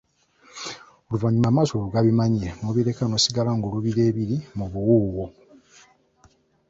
Oluvanyuma amaaso bwe gabimanyiira n'obireka n'osigala ng'oluubirira biri ebiri mu buwuuwo.